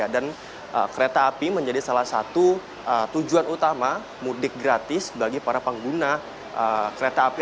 dan kereta api menjadi salah satu tujuan utama mudik gratis bagi para pengguna kereta api